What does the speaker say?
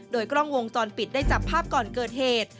โดยกล้องวงจรปิดได้จับภาพก่อนเกิดเหตุ